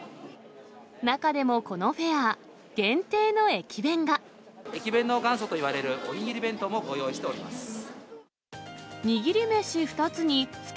中でもこのフェア限定の駅弁駅弁の元祖といわれる、おにぎり弁当もご用意しております。